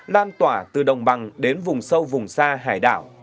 lan tỏa từ đồng bằng đến vùng sâu vùng xa hải đảo